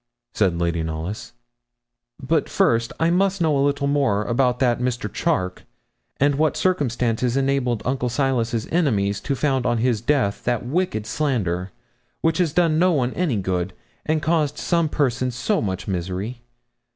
said Lady Knollys. 'But, first, I must know a little more about that Mr. Charke, and what circumstances enabled Uncle Silas's enemies to found on his death that wicked slander, which has done no one any good, and caused some persons so much misery.